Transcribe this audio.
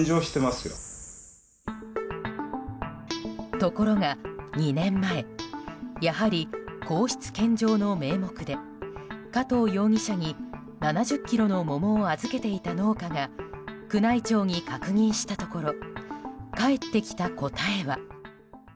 ところが２年前やはり皇室献上の名目で加藤容疑者に７０ｋｇの桃を預けていた農家が宮内庁に確認したところ返ってきた答えは。